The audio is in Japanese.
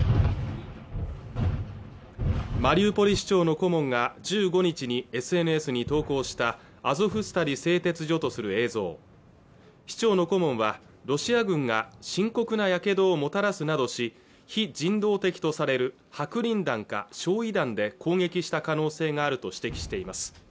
マリウポリ市長の顧問が１５日にＳＮＳに投稿したアゾフスタリ製鉄所とする映像市長の顧問はロシア軍が深刻な火傷をもたらすなどし非人道的とされる白リン弾か焼夷弾で攻撃した可能性があると指摘しています